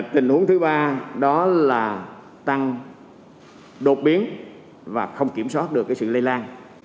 tình huống thứ ba đó là tăng đột biến và không kiểm soát được sự lây lan